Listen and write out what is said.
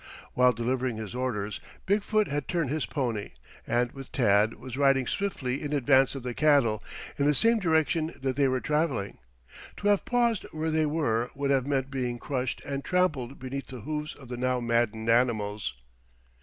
While delivering his orders Big foot had turned his pony, and, with Tad, was riding swiftly in advance of the cattle, in the same direction that they were traveling. To have paused where they were would have meant being crushed and trampled beneath the hoofs of the now maddened animals.